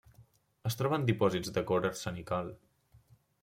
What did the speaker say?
Es troba en dipòsits de coure arsenical.